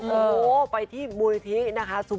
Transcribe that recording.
โอ้โฮไปที่บริกษ์